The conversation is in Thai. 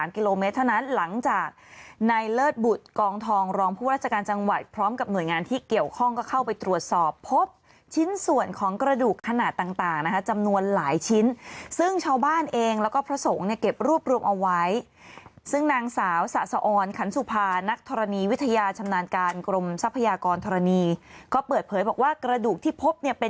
กองทองรองผู้ราชการจังหวัดพร้อมกับหน่วยงานที่เกี่ยวข้องก็เข้าไปตรวจสอบพบชิ้นส่วนของกระดูกขนาดต่างนะฮะจำนวนหลายชิ้นซึ่งชาวบ้านเองแล้วก็พระศพงศ์ในเก็บรูปรวมเอาไว้ซึ่งนางสาวสะสะออนขันสุภานักธรณีวิทยาชำนาญการกรมทรัพยากรธรณีก็เปิดเผยบอกว่ากระดูกที่พบเน